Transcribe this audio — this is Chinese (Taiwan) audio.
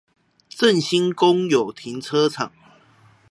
正興公有停車場